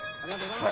はい。